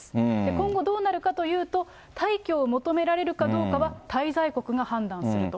今後、どうなるかというと、退去を求められるかどうかは、滞在国が判断すると。